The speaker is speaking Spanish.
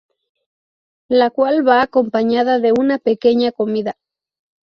La cual va acompaña de una pequeña comida.